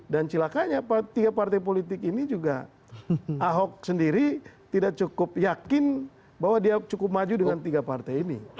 dan celakanya tiga partai politik ini juga ahok sendiri tidak cukup yakin bahwa dia cukup maju dengan tiga partai ini